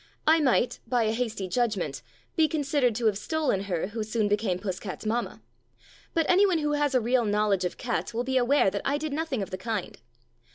I might, by a hasty judgment, be considered to have stolen her who soon became Puss cat's mamma, but anyone who has any real know ledge of cats will be aware that I did nothing of the kind.